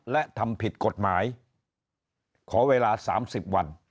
และทำผิดกฎหมายขอเวลา๓๐วัน